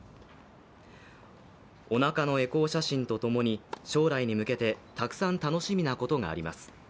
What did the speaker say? おなかのエコー写真とともに将来に向けてたくさん楽しみなことがあります